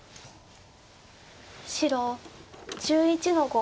白１１の五。